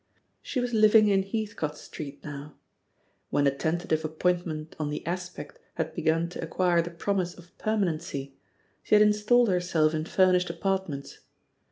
She was living in Heathcote Street now. When a tentative appointment on The jispeci had begun to acquire the promise of permanency, she had installed herself in furnished apartments.